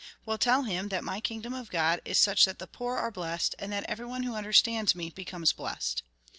Well, tell him that my kingdom of God is such that the poor are IJessed, and that every one who understands me becomes blessed."